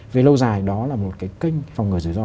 về lâu dài đó là một cái kênh phòng ngừa rủi ro